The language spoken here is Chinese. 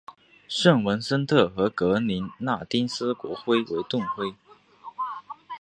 圣文森特和格林纳丁斯国徽为盾徽。